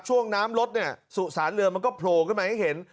ช่วงน้ำรถเนี่ยสุสานเรือมันก็โผล่ขึ้นมาให้เห็น